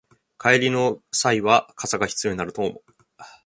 帰りの際は傘が必要になると思う